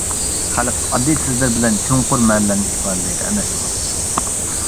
خەلق ئاددىي سۆزلەر بىلەن چوڭقۇر مەنىلەرنى ئىپادىلىيەلەيدۇ ئەمەسمۇ.